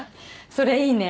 それいいね